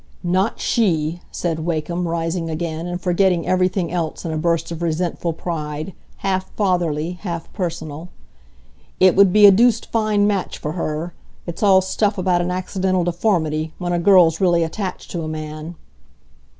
"Not she!" said Wakem, rising again, and forgetting everything else in a burst of resentful pride, half fatherly, half personal. "It would be a deuced fine match for her. It's all stuff about an accidental deformity, when a girl's really attached to a man."